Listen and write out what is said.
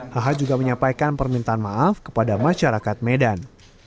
hh juga menyampaikan permintaan maaf kepada masyarakat medan